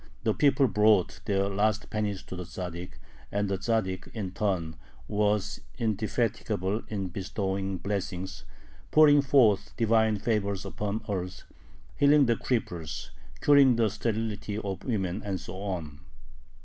The people brought their last pennies to the Tzaddik, and the Tzaddik in turn was indefatigable in bestowing blessings, pouring forth divine favors upon earth, healing the cripples, curing the sterility of women, and so on.